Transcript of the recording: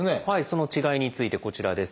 その違いについてこちらです。